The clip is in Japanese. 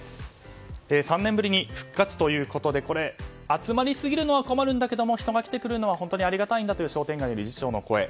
３年ぶりに復活ということで集まりすぎるのは困るんだけども人が来てくれるのは本当にありがたいんだという商店街の理事長の声。